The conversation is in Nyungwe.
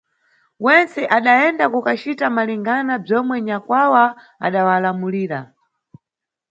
Wentse adayenda kukacita malingana bzomwe nyakwawa adalamulira.